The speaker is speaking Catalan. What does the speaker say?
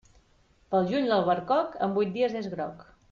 Pel juny, l'albercoc, en vuit dies és groc.